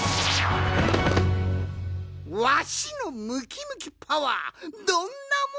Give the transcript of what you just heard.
わしのムキムキパワーどんなもんじゃい！